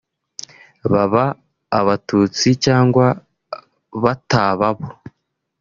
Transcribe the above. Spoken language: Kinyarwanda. baba abatutsi cyangwa bataba bo